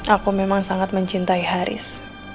aku memang sangat mencintai haris